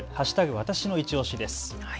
わたしのいちオシです。